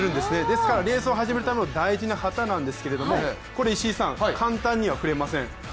ですから、レースを始めるための大事な旗なんですけれどもこれ、簡単には振れません。